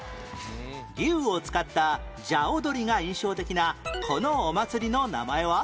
龍を使った龍踊が印象的なこのお祭りの名前は？